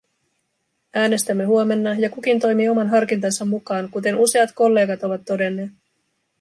Äänestämme huomenna, ja kukin toimii oman harkintansa mukaan, kuten useat kollegat ovat todenneet.